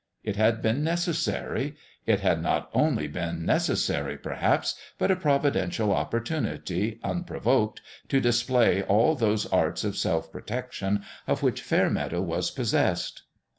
It had been necessary. It had not only been necessary, perhaps, but a providential op portunity, unprovoked, to display all those arts of self protection of which Fairmeadow was possessed.